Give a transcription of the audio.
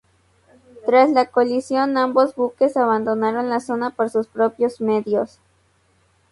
Tras la colisión, ambos buques, abandonaron la zona por sus propios medios.